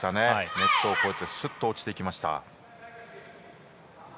ネットを越えてすっと落ちていきました。